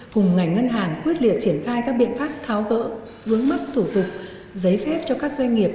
cùng ngành ngân hàng quyết liệt triển khai các biện pháp tháo gỡ vướng mắt thủ tục giấy phép cho các doanh nghiệp